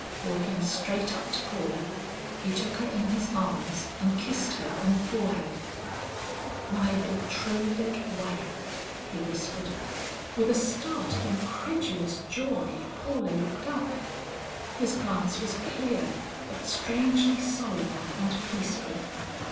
Walking straight up to Paula, he took her in his arms and kissed her on the forehead. "My betrothed wife!" he whispered. With a start of incredulous joy, Paula looked up. His glance was clear but strangely solemn and peaceful.